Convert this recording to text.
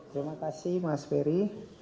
terima kasih mas ferry